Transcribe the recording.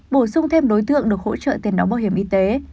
bổ sung thêm đối tượng được hỗ trợ tiền đóng bảo hiểm y tế